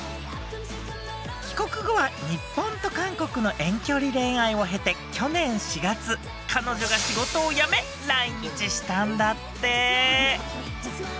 帰国後は日本と韓国の遠距離恋愛を経て去年４月彼女が仕事を辞め来日したんだって。